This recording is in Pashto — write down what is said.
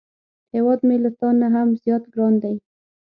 هیواد مې له تا نه هم زیات ګران دی